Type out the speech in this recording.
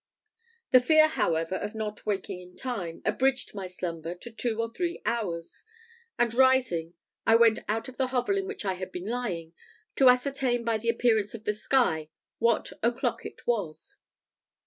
The fear, however, of not waking in time, abridged my slumber to two or three hours; and rising, I went out of the hovel in which I had been lying, to ascertain by the appearance of the sky what o'clock it was.